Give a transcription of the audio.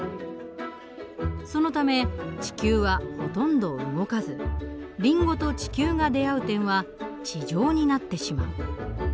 そのため地球はほとんど動かずリンゴと地球が出会う点は地上になってしまう。